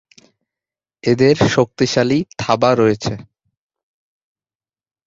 এদের শক্তিশালী থাবা রয়েছে।